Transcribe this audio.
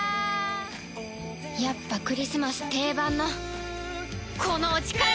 やっぱクリスマス定番のこのオチかい！